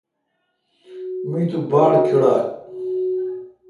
می تو باڑ کیڈال۔